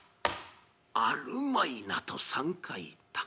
あるまいな」と３回言った。